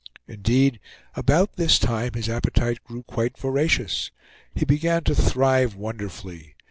Indeed, about this time his appetite grew quite voracious. He began to thrive wonderfully.